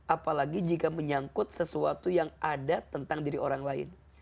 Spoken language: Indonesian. apalagi jika menyangkut sesuatu yang ada tentang diri orang lain